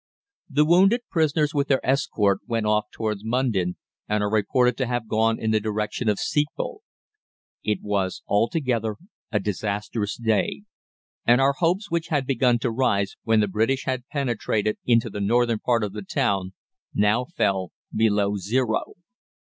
The wounded prisoners with their escort went off towards Mundon, and are reported to have gone in the direction of Steeple. It was altogether a disastrous day, and our hopes, which had begun to rise when the British had penetrated into the northern part of the town, now fell below zero.